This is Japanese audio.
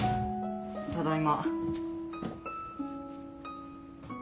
ただいま。